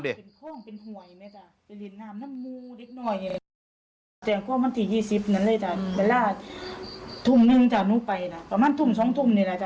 เป็นหวยไหมจ๊ะเป็นลินน้ำน้ำมูเล็กหน่อยแต่ก็มันที่ยี่สิบนั้นเลยจ้ะ